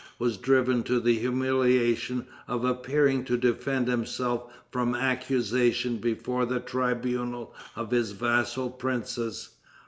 was driven to the humiliation of appearing to defend himself from accusation before the tribunal of his vassal princes.